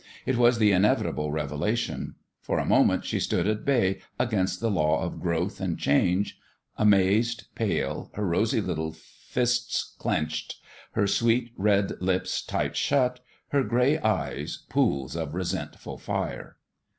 It was the inevitable revela tion. For a moment she stood at bay against the law of growth and change, amazed, pale, her rosy little fists clenched, her sweet red lips tight shut, her gray eyes pools of resentful fire.